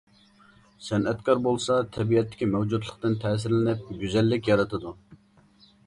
سەنئەتكار بولسا تەبىئەتتىكى مەۋجۇتلۇقتىن تەسىرلىنىپ گۈزەللىك يارىتىدۇ.